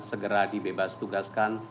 segera dibebas tugaskan